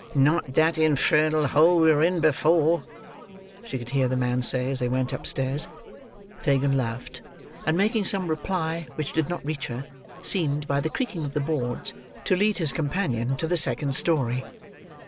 "Not that infernal hole we were in before," she could hear the man say as they went upstairs. Fagin laughed; and making some reply which did not reach her, seemed, by the creaking of the boards, to lead his companion to the second story.